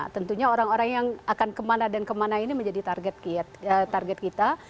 tentunya orang orang yang akan kemana dan kemana ini menjadi target kita